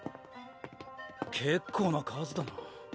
結構な数だな。